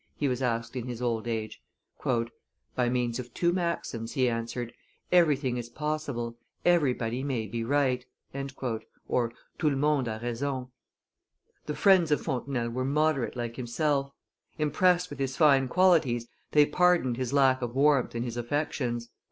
he was asked in his old age. "By means of two maxims," he answered: "Everything is possible; everybody may be right" (tout le monde a raison). The friends of Fontenelle were moderate like himself; impressed with his fine qualities, they pardoned his lack of warmth in his affections.